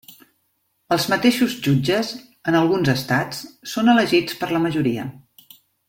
Els mateixos jutges, en alguns estats, són elegits per la majoria.